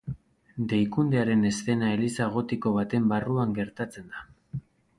Deikundearen eszena eliza gotiko baten barruan gertatzen da.